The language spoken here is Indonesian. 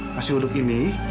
nasi uduk ini